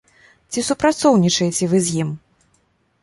Ці супрацоўнічаеце вы з ім?